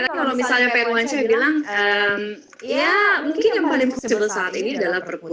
tapi kalau misalnya pak irwansyah bilang ya mungkin yang paling visible saat ini adalah perpustaka